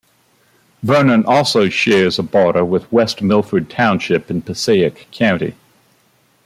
Vernon also shares a border with West Milford Township in Passaic County.